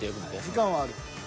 時間はある。